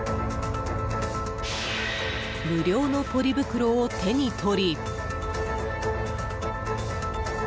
無料のポリ袋を手に取り。